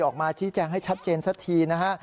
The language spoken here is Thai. ออกมาชี้แจงให้ชัดเจนสักทีนะฮะ